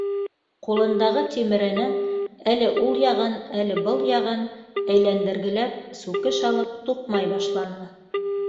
Ҡулындағы тимеренең әле ул яғын, әле был яғын әйләндергеләп, сүкеш алып туҡмай башланы.